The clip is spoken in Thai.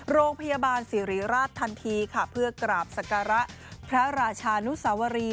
โรงพยาบาลสิริราชทันทีค่ะเพื่อกราบสการะพระราชานุสวรี